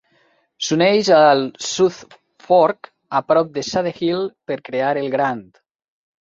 S'uneix al South Fork a prop de Shadehill per crear el Grand.